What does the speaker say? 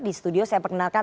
di studio saya perkenalkan